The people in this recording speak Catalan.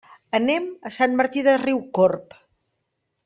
Anem a Sant Martí de Riucorb.